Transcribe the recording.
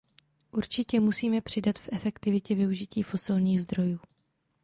Určitě musíme přidat v efektivitě využití fosilních zdrojů.